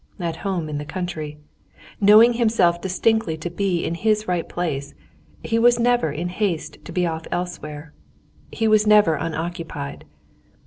At home in the country, knowing himself distinctly to be in his right place, he was never in haste to be off elsewhere. He was never unoccupied.